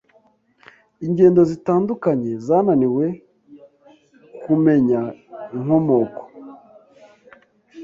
Ingendo zitandukanye zananiwe kumenya inkomoko